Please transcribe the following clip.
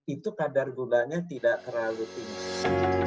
itu kadar gulanya tidak terlalu tinggi